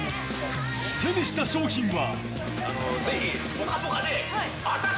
手にした賞品は。